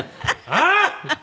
「ああ？」